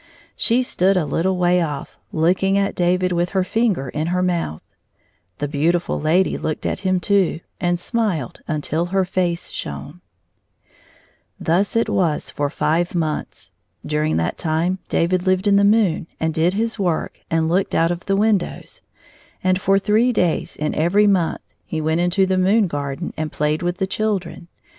She stood a little way oflf, looking at David with her finger in her mouth. The beautiftil lady looked at him too, and smiled until her face shone. ««««« Thus it was for five months. During that time David Hved in the moon and did his work and looked out of the windows, and for three days in 95 every month he went into the moon garden and played with the children.